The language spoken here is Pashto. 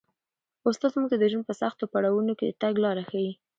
استاد موږ ته د ژوند په سختو پړاوونو کي د تګ لاره ښيي.